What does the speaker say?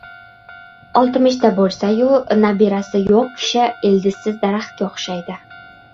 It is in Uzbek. • Oltmishda bo‘lsa-yu, nabirasi yo‘q kishi ildizsiz daraxtga o‘xshaydi.